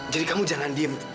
jadi kamu jangan diam